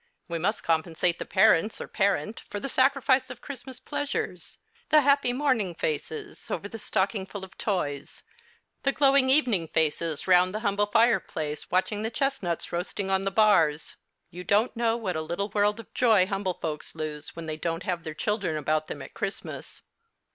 We must compensate the parents or parent for the sacrifice of Christmas pleasures — the happy morning faces over tjie stockingful of toys — the gloT\ing evening faces round the humble fireplace, watching the chestnuts roasting on the bars. You don't know what a little world of joy humble folks lose when they don't have their children about them at Christmas.